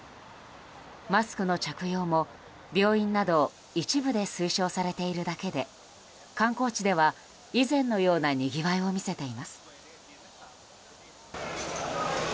マスクの着用も、病院など一部で推奨されているだけで観光地では以前のようなにぎわいを見せています。